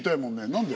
何で？